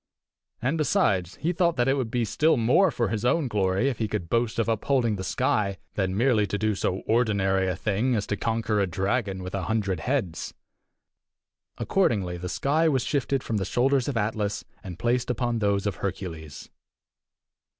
And, besides, he thought that it would be still more for his own glory if he could boast of upholding the sky than merely to do so ordinary a thing as to conquer a dragon with a hundred heads. Accordingly, the sky was shifted from the shoulders of Atlas, and placed upon those of Hercules.